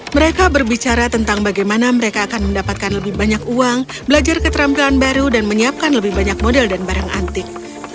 mereka berbicara tentang bagaimana mereka akan mendapatkan lebih banyak uang belajar keterampilan baru dan menyiapkan lebih banyak model dan barang antik